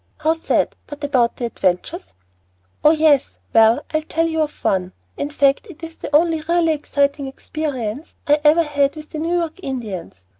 "How sad. But about the adventures?" "Oh, yes well, I'll tell you of one; in fact it is the only really exciting experience I ever had with the New York Indians.